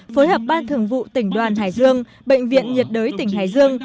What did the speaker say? phối hợp ban thường vụ tỉnh đoàn hải dương bệnh viện nhiệt đới tỉnh hải dương